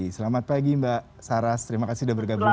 selamat pagi mbak saras terima kasih sudah bergabung